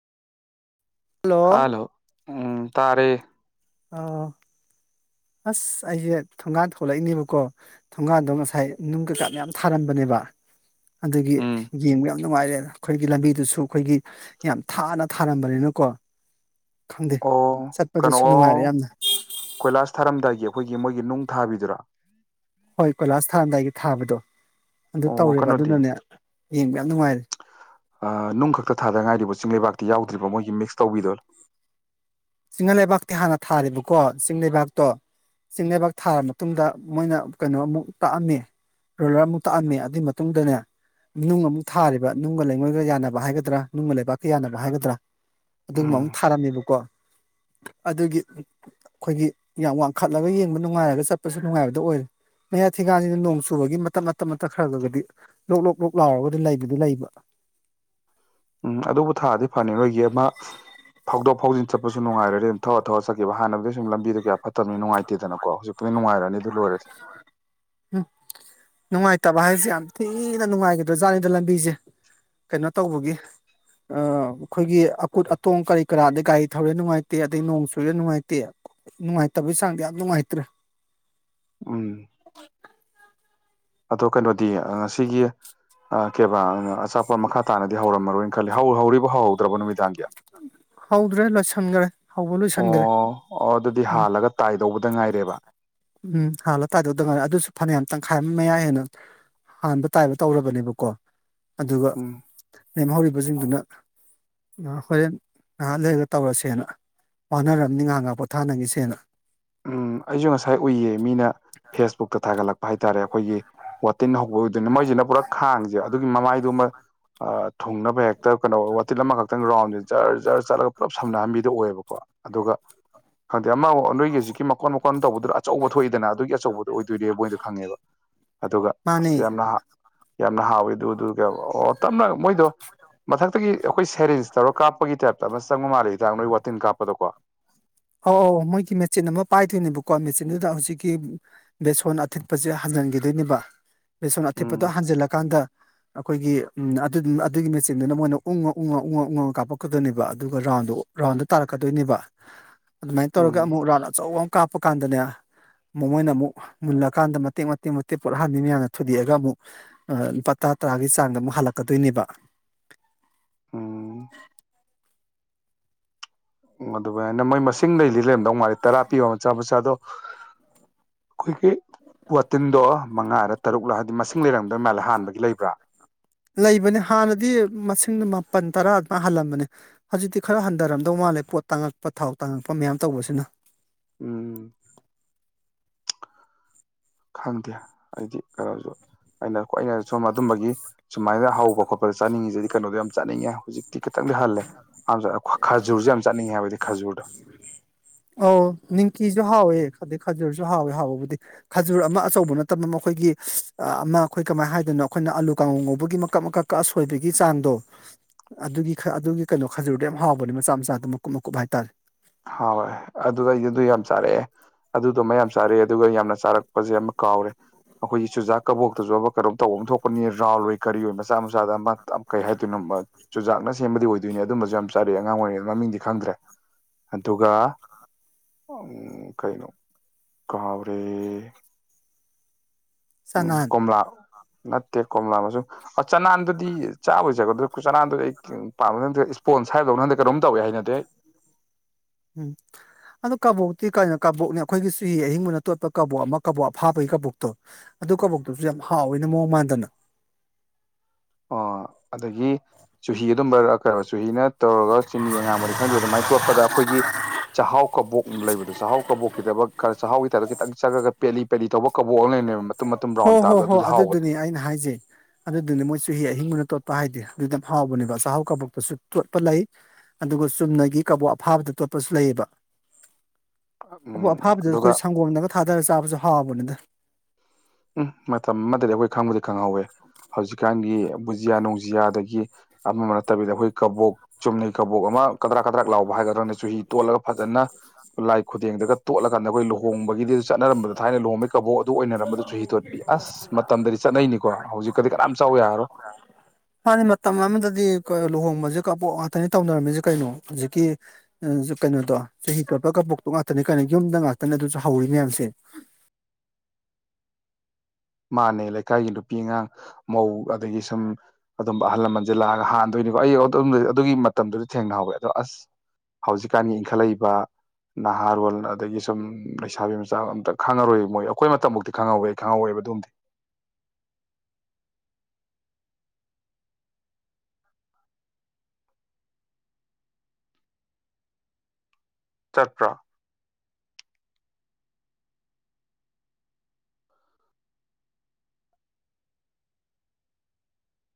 hello hello ꯎꯝ ꯇꯥꯔꯦ ꯑꯣ ꯑꯁ ꯑꯩꯁꯦ ꯊꯣꯡꯒꯥꯟ ꯊꯣꯛꯂꯛꯏꯅꯦꯕꯀꯣ ꯊꯣꯡꯒꯥꯗꯣ ꯉꯁꯥꯏ ꯅꯨꯡ ꯀꯩꯀꯥ ꯃꯌꯥꯝ ꯊꯥꯔꯝꯕꯅꯦꯕ ꯑꯗꯨꯒꯤ ꯎꯝ ꯌꯦꯡꯕ ꯌꯥꯝ ꯌꯥꯝ ꯅꯨꯡꯉꯥꯏꯔꯦ ꯑꯩꯈꯣꯏꯒꯤ ꯂꯝꯕꯤꯗꯨꯁꯨ ꯑꯩꯈꯣꯏꯒꯤ ꯌꯥꯝ ꯊꯥꯅ ꯊꯥꯔꯝꯕꯅꯤꯅꯀꯣ ꯈꯪꯗꯦ ꯑꯣ ꯀꯩꯅꯣ ꯆꯠꯄꯗꯁꯨ ꯅꯨꯡꯉꯥꯏꯔꯦ ꯑꯣ ꯌꯥꯝꯅ ꯀꯣꯏꯂꯥꯁ ꯊꯥꯔꯝꯗꯥꯏꯒꯤ ꯑꯩꯈꯣꯏꯒꯤ ꯃꯣꯏꯒꯤ ꯅꯨꯡ ꯊꯥꯕꯤꯗꯨꯔꯥ ꯍꯣꯏ ꯀꯣꯏꯂꯥꯁ ꯊꯥꯗꯥꯏꯒꯤ ꯊꯥꯕꯗꯣ ꯑꯗꯨ ꯑꯣ ꯇꯧꯔꯦꯕ ꯀꯩꯅꯣꯗꯤ ꯑꯗꯨꯅꯅꯦ ꯌꯦꯡꯕ ꯌꯥꯝ ꯅꯨꯡꯉꯥꯏꯔꯦ ꯅꯨꯡ ꯈꯛꯇ ꯊꯥꯗ ꯉꯥꯏꯔꯤꯕ ꯆꯤꯡ ꯂꯩꯩꯕꯥꯛꯇꯤ ꯌꯥꯎꯗ꯭ꯔꯤꯕ ꯃꯣꯏꯒꯤ ꯃꯤꯛꯁ ꯇꯧꯕꯤꯗꯣ ꯆꯤꯡ ꯂꯩꯕꯥꯛꯇꯤ ꯍꯥꯟꯅ ꯊꯥꯔꯤꯕꯕꯀꯣ ꯆꯤꯡ ꯂꯩꯕꯥꯛꯇꯣ ꯆꯤꯡ ꯂꯩꯩꯕꯥꯛ ꯊꯥꯔ ꯃꯇꯨꯡꯗ ꯃꯣꯏꯅ ꯀꯩꯅꯣ ꯑꯃꯨꯛ ꯇꯥꯛꯑꯝꯃꯦ ꯔꯣꯏꯂꯔ ꯑꯃꯨꯛ ꯇꯥꯛꯑꯝꯃꯦ ꯑꯗꯨꯏ ꯃꯇꯨꯡꯗꯅꯦ ꯅꯨꯡ ꯑꯃꯨꯛ ꯊꯥꯔꯤꯕ ꯅꯨꯡꯒ ꯂꯩꯉꯣꯏꯒ ꯌꯥꯅꯕ ꯍꯥꯏꯒꯗ꯭ꯔꯥ ꯅꯨꯡꯒ ꯂꯩꯕꯥꯛꯀ ꯌꯥꯅꯕ ꯍꯥꯏꯒꯗ꯭ꯔꯥ ꯑꯗꯨꯒꯨꯝꯕ ꯑꯃꯨꯛ ꯎꯝ ꯊꯥꯔꯝꯃꯦꯕꯀꯣ ꯑꯗꯨꯒꯤ ꯑꯩꯈꯣꯏꯒꯤ ꯌꯥꯝ ꯋꯥꯡꯈꯠꯂꯒ ꯌꯦꯡꯕ ꯅꯨꯡꯉꯥꯏꯔꯒ ꯆꯠꯄꯁꯨ ꯅꯨꯡꯉꯥꯏꯕꯗ ꯑꯣꯏꯔꯦ ꯃꯌꯥ ꯊꯤꯒꯥꯟꯁꯤꯅ ꯅꯣꯡ ꯆꯨꯕꯒꯤ ꯃꯇꯝ ꯃꯇꯝ ꯃꯇꯝ ꯈ꯭ꯔꯂꯒꯗꯤ ꯂꯣꯛ ꯂꯣꯛ ꯂꯣꯛ ꯂꯥꯎꯔꯒꯗꯤ ꯂꯩꯕꯗꯤ ꯂꯩꯕ ꯎꯝ ꯑꯗꯨꯕꯨ ꯊꯥꯗꯤ ꯐꯅꯤ ꯅꯣꯏꯒꯤ ꯑꯃ ꯐꯥꯎꯗꯣꯛ ꯐꯥꯎꯖꯤꯟ ꯆꯠꯄꯁꯨ ꯅꯨꯡꯥꯏꯔꯗꯤ ꯑꯗꯨꯝ ꯊꯋꯥꯒ ꯊꯧꯔ ꯆꯠꯈꯤꯕ ꯍꯥꯟꯅꯗꯒꯤꯗꯤ ꯁ ꯂꯝꯕꯤꯗ ꯀꯌꯥ ꯐꯠꯇꯅꯤ ꯅꯨꯡꯉꯥꯏꯇꯦꯗꯅꯀꯣ ꯍꯧꯖꯤꯛꯄꯗꯤ ꯅꯨꯡꯉꯥꯏꯔꯅꯤ ꯑꯗꯨ ꯂꯣꯏꯔꯗꯤ ꯎꯝ ꯅꯨꯡꯉꯥꯏꯇꯕ ꯍꯥꯏꯁꯦ ꯌꯥꯝ ꯊꯤꯅ ꯅꯨꯡꯉꯥꯏꯒꯗ꯭ꯔꯥ ꯖꯥꯠꯅꯤꯗ ꯂꯝꯕꯤꯁꯦ ꯀꯩꯅꯣ ꯇꯧꯕꯒꯤ ꯑ ꯑꯩꯈꯣꯏꯒꯤ ꯑꯀꯨꯠ ꯑꯇꯣꯡ ꯀꯔꯤ ꯀꯔꯥꯗ ꯒꯥꯔꯤ ꯊꯧꯔꯦ ꯅꯨꯡꯉꯥꯏꯇꯦ ꯑꯗꯩ ꯅꯣꯡ ꯆꯨꯨꯔꯦ ꯅꯨꯡꯉꯥꯏꯇꯦ ꯅꯨꯡꯉꯥꯏꯇꯕꯩ ꯆꯥꯡꯗꯤ ꯌꯥꯝ ꯅꯨꯡꯉꯥꯏꯇ꯭ꯔꯦ ꯎꯝ ꯑꯗꯣ ꯀꯩꯅꯣꯗꯤ ꯉꯁꯤꯒꯤ ꯀꯦꯕꯥ ꯑꯆꯥ ꯍꯧꯍꯧꯗ꯭ꯔꯕ ꯅꯨꯃꯤꯗꯥꯡꯒꯤ [unintelligible] ꯍꯧꯗ꯭ꯔꯦ ꯂꯣꯏꯁꯟꯈ꯭ꯔꯦ ꯍꯧꯕ ꯂꯣꯏꯁꯟꯈ꯭ꯔꯦ ꯑꯣ ꯑꯣ ꯑꯗꯨꯗꯤ ꯍꯥꯜꯂꯒ ꯇꯥꯏꯗꯧꯕꯗ ꯉꯥꯏꯔꯦꯕ ꯎꯝ ꯍꯥꯥꯟꯂꯣ ꯇꯥꯏꯗꯧꯗ ꯉꯥꯏꯔꯦ ꯑꯗꯨꯁꯨ ꯐꯅ ꯌꯥꯝ ꯇꯪꯈꯥꯏ ꯑꯃ ꯃꯌꯥꯏ ꯍꯦꯟꯅ ꯍꯥꯟꯕ ꯇꯥꯏꯕ ꯇꯧꯔꯕꯅꯦꯕꯀꯣ ꯑꯗꯨꯒ ꯎꯝ ꯂꯦꯝꯍꯧꯔꯤꯕꯁꯤꯡꯗꯨꯅ ꯉꯍ ꯍꯣꯔꯦꯟ ꯉꯥꯏꯍꯥꯛ ꯂꯩꯔꯒ ꯇꯧꯔꯁꯦꯅ ꯃꯥꯟꯅꯔꯅꯤ ꯉꯍꯥꯛꯒꯍꯥꯛ ꯄꯣꯊꯥꯅꯈꯤꯁꯦꯅ ꯎꯝ ꯑꯩꯁꯨ ꯉꯁꯥꯏ ꯎꯏꯌꯦ ꯃꯤꯅ ꯐꯦꯁꯕꯨꯛꯇ ꯊꯥꯒꯠꯂꯛꯄ ꯍꯥꯏꯇꯥꯔꯦ ꯑꯩꯈꯣꯏꯒꯤ ꯋꯥꯇꯤꯟ ꯍꯧꯕꯗꯨꯅ ꯃꯣꯏꯁꯤꯅ ꯄꯨꯔꯥ ꯈꯥꯡꯁꯦ ꯑꯗꯨꯒꯤ ꯃꯃꯥꯏꯗꯨꯃ ꯊꯨꯡꯅꯕ ꯍꯦꯛꯇ ꯀꯩꯅꯣ ꯋꯥꯇꯤꯤꯟ ꯑꯃꯈꯛꯇꯪ ꯔꯥꯎꯟꯁꯦ ꯖꯔ ꯖꯔ ꯆꯠꯂꯒ ꯄꯨꯂꯞ ꯁꯝꯅꯍꯟꯕꯤꯗ ꯑꯣꯏꯌꯦꯕꯀꯣ ꯑꯗꯨꯒ ꯈꯪꯗꯦ ꯑꯃꯥꯡ ꯅꯣꯏꯒꯤꯁꯤ ꯃꯀꯣꯟ ꯃꯀꯣꯟ ꯇꯧꯕꯗꯨꯗ ꯑꯆꯧꯕ ꯊꯣꯛꯏꯗꯅ ꯑꯗꯨꯒꯤ ꯑꯆꯧꯕꯗꯨꯣ ꯑꯣꯏꯗꯣꯏꯅꯦꯕ ꯃꯣꯏꯗꯣ ꯈꯪꯉꯦꯕ ꯑꯗꯨꯒ ꯑ ꯃꯥꯅꯦ ꯌꯥꯝ ꯌꯥꯝꯅ ꯍꯥꯎꯋꯤ ꯑꯗꯨ ꯇꯞꯅ ꯃꯣꯏꯗꯣ ꯃꯊꯛꯇꯒꯤ ꯑꯩꯈꯣꯏ ꯁꯦꯔꯦꯟ ꯆꯥꯎꯔꯥꯛ ꯀꯥꯞꯄꯒꯤ ꯇꯥꯏꯞꯇ ꯑꯃ ꯆꯪꯕ ꯃꯥꯜꯦ ꯍꯤꯗꯥꯛ ꯅꯣꯏ ꯋꯥꯇꯤꯟ ꯀꯥꯞꯄꯗꯀꯣ ꯑꯧ ꯑꯧ ꯃꯣꯏꯒꯤ ꯃꯦꯆꯤꯟ ꯑꯃ ꯄꯥꯏꯗꯣꯏꯅꯦꯕꯀꯣ ꯃꯦꯆꯤꯟꯗꯨꯗ ꯍꯧꯖꯤꯛꯀꯤ ꯕꯦꯁꯣꯟ ꯑꯊꯤꯠꯄꯁꯦ ꯍꯟꯖꯤꯟꯈꯤꯗꯣꯏꯅꯦꯕ, ꯕꯦꯁꯣꯟ ꯑꯊꯤꯠꯄꯗꯣ ꯎꯝ ꯍꯟꯖꯤꯜꯂꯀꯥꯟꯗ ꯑꯩꯈꯣꯏꯒꯤ ꯑꯗꯨ ꯑꯗꯨꯒꯤ ꯃꯦꯆꯤꯟꯗꯨꯅ ꯃꯣꯏꯅ ꯎꯪꯉ ꯎꯪꯉ ꯎꯪꯉꯛ ꯎꯪꯉ ꯀꯥꯞꯄꯛꯀꯗꯣꯏꯅꯦꯕ ꯑꯗꯨꯒ ꯔꯥꯎꯟꯗꯣ ꯔꯥꯎꯟꯗ ꯇꯥꯔꯛꯀꯗꯣꯏꯅꯦꯕ ꯑꯗꯨꯃꯥꯏꯅ ꯇꯧꯔꯒ ꯎꯝ ꯑꯃꯨꯛ ꯔꯥꯎꯟ ꯑꯆꯧꯕ ꯑꯃ ꯀꯥꯞꯄ ꯀꯥꯟꯗꯅꯦ ꯃꯣꯏꯅ ꯑꯃꯨꯛ ꯃꯨꯜꯂꯀꯥꯟꯗ ꯃꯇꯦꯛ ꯃꯇꯦꯛ ꯃꯇꯦꯛ ꯄꯣꯠꯍꯥꯟꯕꯤ ꯃꯌꯥꯝꯅ ꯊꯨꯗꯦꯛꯑꯒ ꯑꯃꯨꯛ ꯂꯨꯄꯥ ꯇꯔꯥ ꯇꯔꯥꯒꯤ ꯆꯥꯡꯗ ꯑꯃꯨꯛ ꯍꯜꯂꯛꯀꯗꯣꯏꯅꯦꯕ ꯎꯝ ꯎ ꯑꯗꯨꯃꯥꯏꯅ ꯃꯣꯏ ꯃꯁꯤꯡ ꯂꯩꯗꯤ ꯂꯩꯔꯝꯗꯧ ꯃꯥꯜꯂꯤ ꯇꯔꯥ ꯄꯤꯕꯣ ꯃꯆꯥ ꯃꯆꯥꯗꯣ ꯑꯩꯈꯣꯏꯒꯤ ꯋꯥꯇꯤꯟꯗꯣ ꯃꯉꯥꯔ ꯇꯔꯨꯛꯂ ꯑꯗꯤ ꯃꯁꯤꯡ ꯂꯩꯔꯝꯗꯣꯏ ꯃꯥꯜꯂꯦ ꯍꯥꯟꯕꯒꯤ ꯂꯩꯕ꯭ꯔꯥ ꯂꯩꯕꯅꯦ ꯍꯥꯟꯅꯗꯤ ꯃꯁꯤꯡꯗ ꯃꯥꯄꯜ ꯇꯔꯥ ꯑꯗꯨꯃꯥꯏꯅ ꯍꯥꯜꯂꯝꯕꯅꯦ ꯍꯧꯖꯤꯛꯇꯤ ꯈꯔ ꯍꯟꯊꯔꯝꯗꯧ ꯃꯥꯜꯂꯦ ꯄꯣꯠ ꯇꯥꯡꯉꯛꯄ ꯊꯥꯎ ꯇꯥꯡꯉꯛꯄ ꯃꯌꯥꯝ ꯇꯧꯕꯁꯤꯅ ꯎꯝ ꯈꯪꯗꯦ ꯑꯩꯗꯤ ꯈꯔꯁꯨ ꯑꯩꯅ ꯑꯣꯏꯅ ꯁꯣꯝ ꯑꯗꯨꯝꯕꯒꯤ ꯁꯨꯃꯥꯏꯅ ꯍꯧꯕ ꯈꯣꯠꯄꯗ ꯆꯥꯅꯤꯡꯉꯤꯁꯤꯗꯤ ꯀꯩꯅꯣꯗꯣ ꯌꯥꯝ ꯆꯥꯅꯤꯡꯉꯦ ꯍꯧꯖꯤꯛ ꯈꯤꯇꯪꯗꯤ ꯍꯜꯂꯦ ꯑ ꯈꯖꯨꯔꯁꯦ ꯌꯥꯝ ꯆꯠꯅꯤꯡꯉꯦ ꯍꯥꯏꯕꯗꯤ ꯈꯥꯖꯨꯔꯗꯣ ꯑ ꯅꯤꯝꯀꯤꯁꯨ ꯍꯥꯎꯋꯦ ꯑꯗꯩ ꯈꯖꯨꯔꯁꯨ ꯍꯥꯎꯋꯦ ꯍꯥꯎꯕꯕꯨꯗꯤ ꯈꯥꯖꯨꯔ ꯑꯃ ꯑꯆꯧꯕ ꯅꯠꯇꯕ ꯃꯈꯣꯏꯒꯤ ꯑꯃ ꯑꯩꯈꯣꯏ ꯀꯃꯥꯏꯅ ꯍꯥꯏꯗꯅꯣ ꯑꯩꯈꯣꯏꯅ ꯑꯥꯂꯨ ꯀꯥꯡꯉꯧ ꯉꯧꯕꯒꯤ ꯃꯀꯛ ꯃꯀꯛ ꯀꯁꯣꯏꯕꯒꯤ ꯆꯥꯡꯗꯣ ꯑꯗꯨꯒꯤ ꯑꯗꯨꯒꯤ ꯀꯩꯅꯣ ꯈꯖꯔꯨꯗꯣ ꯌꯥꯝ ꯍꯥꯎꯕꯅꯦ ꯃꯆꯥ ꯃꯆꯥꯗꯣ ꯃꯀꯨꯞ ꯃꯀꯨꯞ ꯍꯥꯏꯇꯥꯔꯦ ꯍꯥꯎꯋꯦ ꯑꯗꯨ ꯑꯩ ꯑꯗꯨ ꯌꯥꯝ ꯆꯥꯔꯛꯑꯦ ꯑꯗꯨꯗꯣꯃ ꯌꯥꯝ ꯆꯥꯔꯛꯑꯦ ꯑꯗꯨꯒ ꯌꯥꯝꯅ ꯆꯥꯔꯛꯄꯁꯦ ꯑꯃ ꯀꯥꯎꯔꯦ ꯑꯩꯈꯣꯏꯒꯤ ꯆꯨꯖꯥꯛ ꯀꯕꯣꯛꯇꯁꯨ ꯑꯃ ꯀꯩꯅꯣꯝ ꯇꯧꯕ ꯑꯃ ꯊꯣꯛꯄꯅꯤ ꯔꯥꯎꯜ ꯑꯣꯏ ꯀꯔꯤ ꯑꯣꯏ ꯃꯆꯥ ꯃꯆꯥꯗ ꯑꯃ ꯇ ꯀꯩ ꯍꯥꯏꯗꯣꯏꯅꯣ ꯆꯨꯖꯥꯛꯅ ꯁꯦꯝꯕꯗꯤ ꯑꯣꯏꯗꯣꯏꯅꯦ ꯑꯗꯨꯝꯕꯁꯨ ꯌꯥꯝ ꯆꯥꯔꯛ ꯑꯉꯥꯡ ꯑꯣꯏꯔꯤꯉꯩ ꯃꯃꯤꯡꯗꯤ ꯈꯪꯗ꯭ꯔꯦ ꯑꯗꯨꯒ ꯎ ꯀꯩꯅꯣ ꯀꯥꯎꯔꯦ ꯎꯝ ꯆꯅꯥꯟ ꯀꯣꯝꯂꯥ ꯅꯠꯇꯦ ꯀꯣꯝꯂꯥ ꯑꯃꯁꯨꯡ ꯑ ꯆꯅꯥꯟꯗꯨꯗꯤ ꯆꯥꯕꯩ ꯆꯥꯕ ꯗꯨ ꯆꯅꯥꯟꯗꯨꯗꯤ ꯑꯩꯥ ꯀꯦꯝ ꯄꯥꯝ ꯅ ꯏꯁ꯭ꯄꯣꯟꯁ ꯍꯥꯏꯕꯗꯧ ꯍꯟꯗ ꯀꯩꯅꯣꯝ ꯇꯧꯏ ꯍꯩꯅꯗꯦ ꯎꯝ ꯑꯗꯣ ꯀꯕꯣꯛꯇꯤ ꯀꯔꯤꯅꯣ ꯀꯕꯣꯛꯅꯦ ꯑꯩꯈꯣꯏꯒꯤ ꯆꯨꯍꯤ ꯑꯍꯤꯡꯕꯅ ꯇꯣꯠꯄ ꯀꯕꯣꯛ ꯑꯃ ꯀꯕꯣꯛ ꯑꯐꯥꯕꯒꯤ ꯀꯕꯣꯛꯇꯣ ꯑꯗꯨ ꯀꯕꯣꯛꯇꯨꯁꯨ ꯌꯥꯝ ꯍꯥꯎꯋꯦꯅ ꯃꯑꯣꯡ ꯃꯥꯟꯗꯅ ꯑꯣ ꯑꯗꯒꯤ ꯆꯨꯍꯤ ꯑꯗꯨꯝꯕ ꯑ ꯀꯣ ꯆꯨꯍꯤꯅ ꯇꯧꯔꯒ ꯆꯤꯅꯤ ꯑꯉꯥꯡꯕꯅꯤ ꯈꯪꯗꯦ ꯑꯗꯨꯃꯥꯏꯅ ꯇꯣꯠꯄꯗ ꯑꯩꯈꯣꯏꯒꯤ ꯆꯥꯛꯍꯥꯎ ꯀꯕꯣꯛ ꯂꯩꯕꯗꯣ ꯆꯥꯛꯍꯥꯎ ꯀꯕꯣꯛꯀꯤꯗꯃꯛ ꯈꯔ ꯆꯥꯛꯍꯥꯎꯒꯤ ꯇꯥꯏꯞꯇ ꯈꯤꯇꯪ ꯆꯪꯉꯒ ꯄꯦꯂꯤ ꯄꯦꯂꯤ ꯇꯧꯕ ꯀꯕꯣꯛ ꯑꯃ ꯂꯩꯅꯦꯕ ꯍꯣ ꯍꯣ ꯍꯣꯏ ꯑꯗꯨꯗꯨꯅꯤ ꯑꯩꯅ ꯍꯥꯏꯖꯩ ꯑꯗꯨꯗꯨꯅꯦ ꯃꯣꯏ ꯆꯨꯍꯤ ꯑꯍꯤꯡꯕꯅ ꯇꯣꯠꯄ ꯍꯥꯏꯗꯤ ꯑꯗꯨꯅ ꯍꯥꯎꯕꯅꯦꯕ ꯆꯥꯛꯍꯥꯎ ꯀꯕꯛꯇꯁꯨ ꯇꯣꯠꯄ ꯂꯩ ꯑꯗꯨꯒ ꯆꯨꯝꯅꯒꯤ ꯀꯕꯣꯛ ꯑꯐꯥꯕꯗ ꯇꯣꯠꯄꯁꯨ ꯂꯩꯌꯦꯕ ꯀꯥꯕꯣꯛ ꯎꯝ ꯑꯐꯥꯕꯗ ꯑꯗꯨꯒ ꯑꯩꯈꯣꯏ ꯁꯪꯒꯣꯝꯗꯒ ꯊꯥꯗꯔꯒ ꯆꯥꯕꯁꯨ ꯍꯥꯎꯕꯅꯤꯗ ꯎꯝ ꯃꯇꯝ ꯑꯃꯗꯗꯤ ꯑꯩꯈꯣꯏ ꯈꯪꯕꯗꯤ ꯈꯪꯍꯧꯋꯦ ꯍꯧꯖꯤꯛꯀꯥꯟꯒꯤ ꯕꯨꯖꯤꯌꯥ ꯅꯨꯡꯥ ꯖꯤꯌꯥ ꯑꯗꯒꯤ ꯑꯃ ꯑꯃꯥ ꯅꯠꯇꯕꯤꯗ ꯑꯩꯈꯣꯏ ꯀꯥꯕꯣꯛ ꯆꯨꯝꯅꯒꯤ ꯀꯕꯣꯛ ꯑꯃ ꯀꯗ꯭ꯔꯥꯛ ꯀꯗ꯭ꯔꯥꯛ ꯂꯥꯎꯕ ꯍꯥꯏꯒꯗ꯭ꯔꯅ ꯆꯨꯍꯤ ꯇꯣꯠꯂꯒ ꯐꯖꯅ ꯂꯥꯏ ꯈꯨꯗꯦꯡꯗꯒ‌‌ꯥ ꯇꯣꯠꯂꯀꯥꯟꯗꯈꯣꯏ ꯂꯨꯍꯣꯡꯕꯒꯤ ꯑꯗꯨ ꯆꯠꯅꯔꯝꯕꯗ ꯊꯥꯏꯅ ꯂꯨꯍꯕꯃꯤ ꯀꯕꯣ ꯑꯗꯨ ꯑꯣꯏꯅꯔꯝꯕꯗ ꯆꯨꯍꯤ ꯇꯣꯠꯄꯤ ꯑꯁ ꯃꯇꯝꯗꯗꯤ ꯆꯠꯅꯩꯅꯤꯀꯣ ꯍꯧꯖꯤꯛꯀꯗꯤ ꯀꯅꯥꯝ ꯆꯥꯎ ꯌꯥꯔꯣꯏ ꯃꯥꯥꯟꯅꯤ ꯃꯇꯝ ꯑꯃꯗꯗꯤ ꯂꯨꯍꯣꯡꯕꯁꯦ ꯀꯄꯣꯛ ꯉꯥꯛꯇꯅꯤ ꯇꯧꯅꯔꯝꯃꯤꯁꯦ ꯀꯩꯅꯣ ꯍꯧꯖꯤꯛꯀꯤ ꯎꯁꯨ ꯀꯩꯅꯣꯗꯣ ꯆꯍꯤ ꯀꯄꯜ ꯀꯕꯣꯛꯇꯣ ꯉꯥꯛꯇꯅꯦ ꯀꯩꯅꯣ ꯌꯨꯝꯗ ꯉꯥꯛꯇꯅꯦ ꯑꯗꯨꯁꯨ ꯍꯧꯔꯤ ꯃꯌꯥꯝꯁꯦ ꯃꯥꯥꯟꯅꯩ ꯂꯩꯀꯥꯏꯒꯤ ꯅꯨꯄꯤ ꯑꯉꯥꯡ ꯃꯧ ꯑꯗꯒꯤ ꯁꯨꯝ ꯑꯗꯨꯝꯕ ꯑꯍꯜ ꯂꯃꯟꯁꯦ ꯂꯥꯛꯑꯒ ꯍꯥꯟꯗꯣꯏꯅꯤꯀꯣ ꯑꯩ ꯑꯗꯨꯒꯤ ꯃꯇꯝꯗꯨꯗꯤ ꯊꯦꯡꯅꯍꯧꯋꯦ ꯑꯗꯣ ꯑꯁ ꯍꯧꯖꯤꯛꯀꯥꯟꯒꯤ ꯏꯟꯈꯠꯂꯛꯏꯕ ꯅꯍꯥꯔꯣꯜ ꯑꯗꯒꯤ ꯁꯨꯝ ꯂꯩꯁꯥꯕꯤ ꯃꯆꯥ ꯑꯝꯇ ꯈꯪꯉꯧꯔꯣꯏꯕ ꯃꯣꯏ ꯑꯩꯈꯣꯏ ꯃꯇꯝꯃꯛꯇꯤ ꯈꯪꯍꯧꯋꯦ ꯑꯩ ꯈꯪꯍꯧꯋꯦꯕ ꯑꯗꯨꯝ ꯆꯠꯄ꯭ꯔꯣ